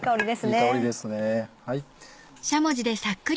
いい香りですね。